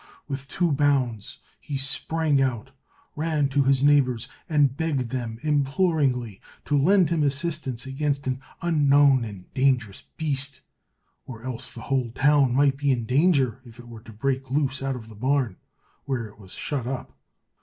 With two bounds he sprang out, ran to his neighbours, and begged them imploringly to lend him assistance against an unknown and dangerous beast, or else the whole town might be in danger if it were to break loose out of the barn, where it was shut up.